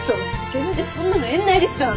全然そんなの縁ないですから私。